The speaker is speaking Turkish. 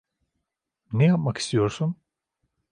Ne yapmak istiyorsun?